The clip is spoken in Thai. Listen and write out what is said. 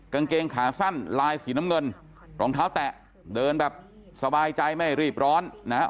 กางเกงขาสั้นลายสีน้ำเงินรองเท้าแตะเดินแบบสบายใจไม่รีบร้อนนะครับ